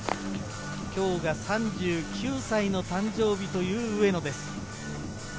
今日が３９歳の誕生日という上野です。